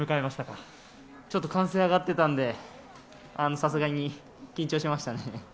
ちょっと歓声上がってたんで、さすがに緊張しましたね。